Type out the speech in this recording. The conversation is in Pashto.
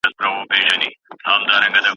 بل زورور دي په ښارونو کي په دار کي خلک